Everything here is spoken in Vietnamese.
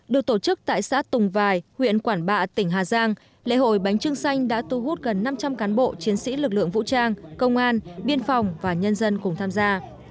được tổ chức tại xã tùng vài huyện quản bạ tỉnh hà giang lễ hội bánh trưng xanh đã tu hút gần năm trăm linh cán bộ chiến sĩ lực lượng vũ trang công an biên phòng và nhân dân cùng tham gia